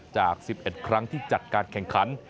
จาก๑๑ครั้งที่จัดการแข่งขัน